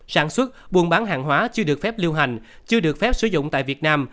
sản xuất buôn bán hàng hóa chưa được phép lưu hành chưa được phép sử dụng tại việt nam